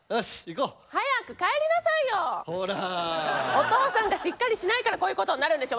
お父さんがしっかりしないからこういうことになるんでしょ。